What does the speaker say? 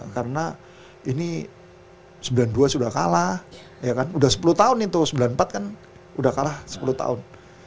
karena ini sembilan puluh dua sudah kalah ya kan udah sepuluh tahun itu sembilan puluh empat kan udah kalah sepuluh tahun